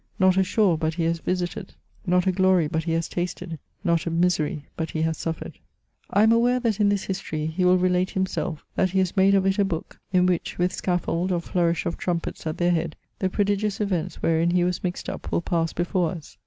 Not a shore but he has visited, not a glory but he has tasted, not a misery but he has suffered. I am aware that in this history he will relate himself, that he has made of it a book, in which, with scaffold or flourish of trumpets at their head , the prodigious events wherein he was mixed up, will pass before us.